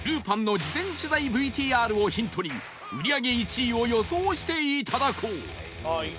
ぱんの事前取材 ＶＴＲ をヒントに売り上げ１位を予想していただこう